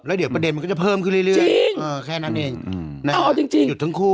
แล้วเดี๋ยวประเด็นมันก็จะเพิ่มขึ้นเรื่อยแค่นั้นเองนะเอาจริงจริงหยุดทั้งคู่